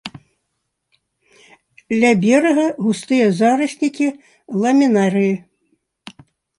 Ля берага густыя зараснікі ламінарыі.